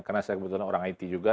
karena saya kebetulan orang it juga